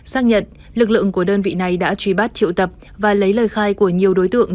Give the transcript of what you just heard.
xác nhận lực lượng của đơn vị này đã truy bắt triệu tập và lấy lời khai của nhiều đối tượng